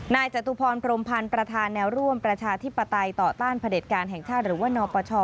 จตุพรพรมพันธ์ประธานแนวร่วมประชาธิปไตยต่อต้านพระเด็จการแห่งชาติหรือว่านปช